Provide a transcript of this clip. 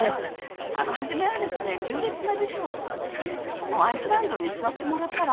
初めは１０列目でしょうとかアイスランドに座ってもらったら？